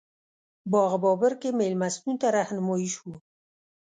باغ بابر کې مېلمستون ته رهنمایي شوو.